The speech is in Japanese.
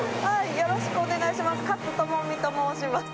よろしくお願いします。